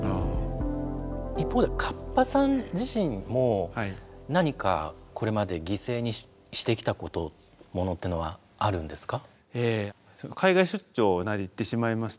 一方ではカッパさん自身も何かこれまで犠牲にしてきたことものっていうのはあるんですか？